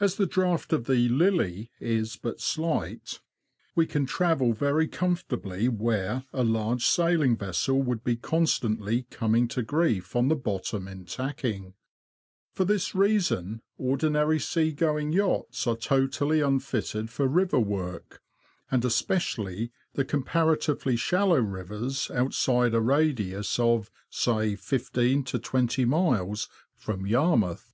As the draught of the ''Lily" is but slight, we can travel very comfortably where a large saiUng vessel would be constantly coming Clocher of Beccles Church, APART FROM NaVE. 42 THE LAND OF THE BROADS. to grief on the bottom in tacking. For this reason ordinary sea going yachts are totally unfitted for river work, and especially the comparatively shallow rivers outside a radius of, say, fifteen to twenty miles from Yarmouth.